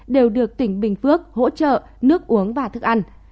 đều được tỉnh bình phước hỗ trợ nước uống và thức ăn